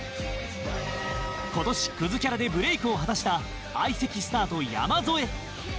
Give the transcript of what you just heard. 今年クズキャラでブレークを果たした相席スタート山添